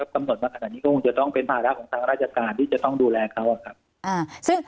กำหนดมาขนาดนี้ก็คงจะต้องเป็นภาระของทางราชการที่จะต้องดูแลเขาครับ